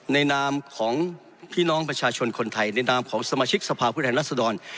นามของพี่น้องประชาชนคนไทยในนามของสมาชิกสภาพผู้แทนรัศดร